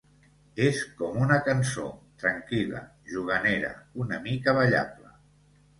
És com una cançó, tranquil·la, juganera, una mica ballable.